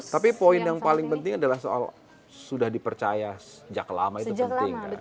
tapi poin yang paling penting adalah soal sudah dipercaya sejak lama itu penting kan